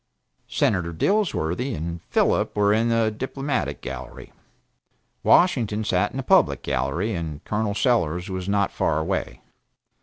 Senator Dilworthy and Philip were in the Diplomatic Gallery; Washington sat in the public gallery, and Col. Sellers was, not far away.